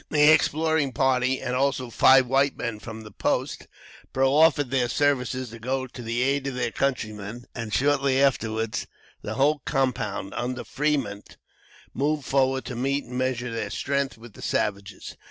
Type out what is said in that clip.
The exploring party, and also five white men from the Post, proffered their services to go to the aid of their countrymen, and shortly afterwards the whole command under Fremont moved forward to meet and measure their strength with the savages.